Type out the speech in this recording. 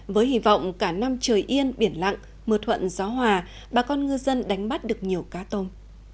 với hy vọng cả năm trời yên biển lặng mưa thuận gió hòa bà con ngư dân đánh bắt được nhiều cá tôm